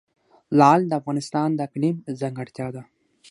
لعل د افغانستان د اقلیم ځانګړتیا ده.